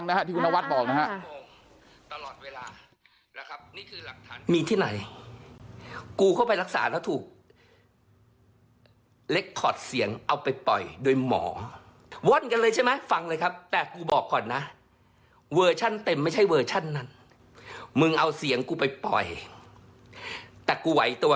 อ่าเดี๋ยวลองฟังนะครับที่คุณนวัดบอกนะครับ